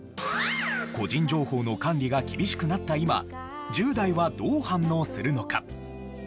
個人情報の管理が厳しくなった今１０代はどう反応するのか？